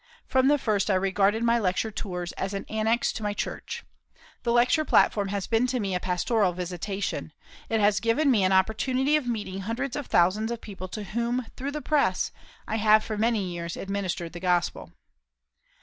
From the first I regarded my lecture tours as an annex to my church. The lecture platform has been to me a pastoral visitation. It has given me an opportunity of meeting hundreds of thousands of people to whom, through the press, I have for many years administered the Gospel.